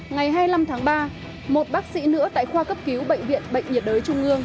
ngày hai mươi năm tháng ba một bác sĩ nữa tại khoa cấp cứu bệnh viện bệnh nhiệt đới trung ương